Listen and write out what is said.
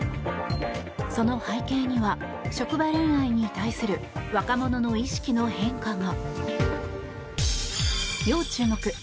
その背景には、職場恋愛に対する若者の意識の変化が。